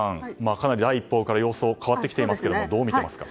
かなり第一報から様相が変わってきていますがどう思いますか。